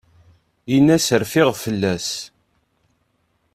Ini-as rfiɣ fell-as.